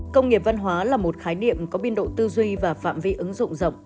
công nghiệp văn hóa là một khái niệm có biên độ tư duy và phạm vi ứng dụng rộng